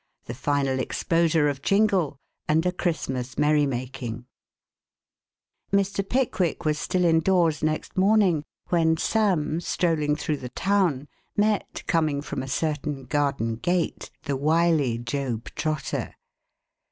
THE FINAL EXPOSURE OF JINGLE, AND A CHRISTMAS MERRYMAKING Mr. Pickwick was still indoors next morning, when Sam, strolling through the town, met, coming from a certain garden gate, the wily Job Trotter.